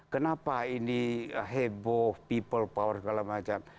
kenapa ini heboh people power segala macam